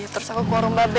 terus aku ke warung mba be